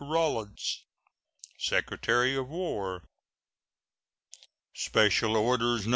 RAWLINS, Secretary of War. SPECIAL ORDERS, No.